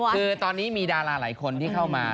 คือตอนนี้มีดาราหลายคนที่เข้ามา